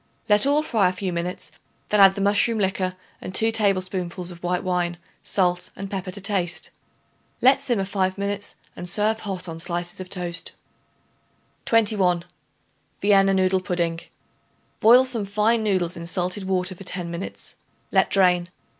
Let all fry a few minutes; then add the mushroom liquor and 2 tablespoonfuls of white wine, salt and pepper to taste. Let simmer five minutes and serve hot on slices of toast. 21. Vienna Noodle Pudding. Boil some fine noodles in salted water for ten minutes; let drain.